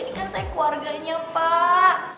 ini kan saya keluarganya pak